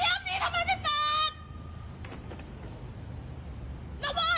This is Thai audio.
ไฟเลี้ยวนี้ทำไมไม่เปิด